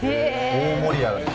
大盛り上がりです。